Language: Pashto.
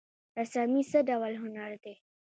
رسامي څه ډول هنر دی؟